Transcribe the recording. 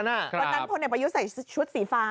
วันนั้นพลเอกประยุทธ์ใส่ชุดสีฟ้า